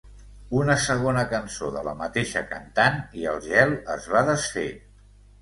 Una segona cançó de la mateixa cantant i el gel es va desfer.